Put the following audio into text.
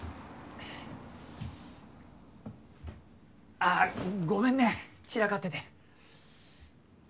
ああごめんね散らかってて。